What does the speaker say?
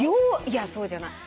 いやそうじゃない。